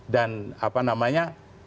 dan apa namanya